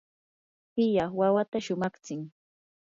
tiyaa wawata shumaqtsin.